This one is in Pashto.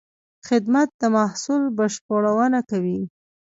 خدمت د محصول بشپړونه کوي.